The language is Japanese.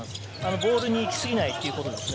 ボールに行き過ぎないということですね。